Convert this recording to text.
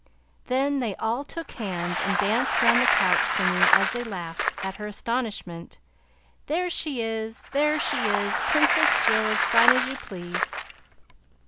Then they all took hands and danced round the couch, singing, as they laughed at her astonishment, "There she is! There she is! Princess Jill as fine as you please!